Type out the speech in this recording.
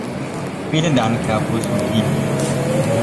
Vielen Dank, Herr Busuttil.